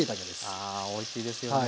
あおいしいですよね。